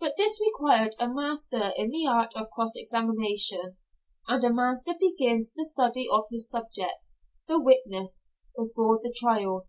But this required a master in the art of cross examination, and a master begins the study of his subject the witness before the trial.